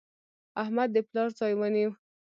احمد د پلار ځای ونیو.